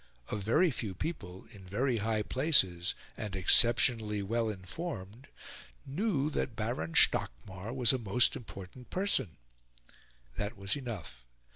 A very few people, in very high places, and exceptionally well informed, knew that Baron Stockmar was a most important person: that was enough.